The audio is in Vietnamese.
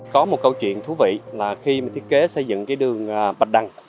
có một câu chuyện thú vị là khi mình thiết kế xây dựng đường bạch đăng